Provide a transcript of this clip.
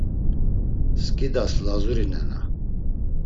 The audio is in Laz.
Skidas lazuri nena.